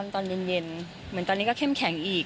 ตอนเย็นเหมือนตอนนี้ก็เข้มแข็งอีก